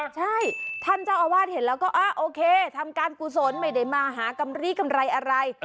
ใช่ท่านเจ้าอาวาสเห็นแล้วก็โอเคทำการกุศลไม่ได้มาหากำรีกำไรอะไร